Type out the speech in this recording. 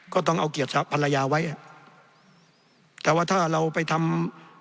ก็ต้องเอาเกียรติภรรยาไว้อ่ะแต่ว่าถ้าเราไปทำ